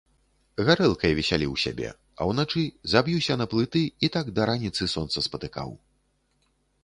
Гарэлкай весяліў сябе, а ўначы заб'юся на плыты і так да раніцы сонца спатыкаў.